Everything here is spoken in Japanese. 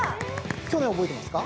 去年覚えてますか？